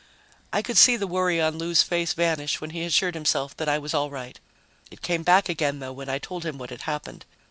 I could see the worry on Lou's face vanish when he assured himself that I was all right. It came back again, though, when I told him what had happened.